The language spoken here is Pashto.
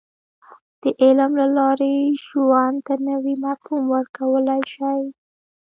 • د علم له لارې، ژوند ته نوی مفهوم ورکولی شې.